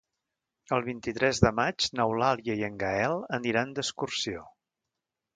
El vint-i-tres de maig n'Eulàlia i en Gaël aniran d'excursió.